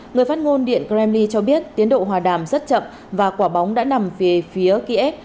người phát ngôn điện kremli cho biết tiến độ hòa đàm rất chậm và quả bóng đã nằm phía kiev